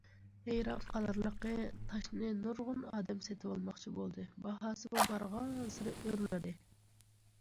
ھەيران قالارلىقى، تاشنى نۇرغۇن ئادەم سېتىۋالماقچى بولدى، باھاسىمۇ بارغانسېرى ئۆرلىدى.